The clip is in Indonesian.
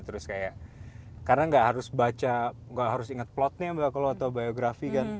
terus kayak karena gak harus baca gak harus inget plotnya kalau autobiografi kan